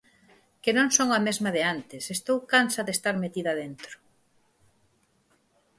Que non son a mesma de antes, estou cansa de estar metida dentro.